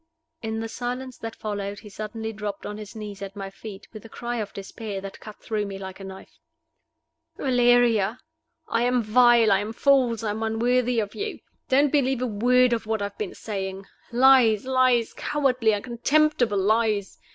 In the silence that followed he suddenly dropped on his knees at my feet, with a cry of despair that cut through me like a knife. "Valeria! I am vile I am false I am unworthy of you. Don't believe a word of what I have been saying lies, lies, cowardly, contemptible lies!